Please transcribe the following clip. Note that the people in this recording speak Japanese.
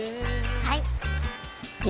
はい！